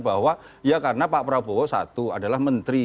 bahwa ya karena pak prabowo satu adalah menteri